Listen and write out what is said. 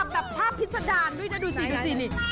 ดับท่าพิสดารด้วยนะดูสินี่